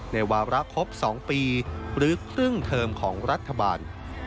วาระครบ๒ปีหรือครึ่งเทอมของรัฐบาล